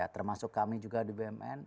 termasuk kami juga di bumn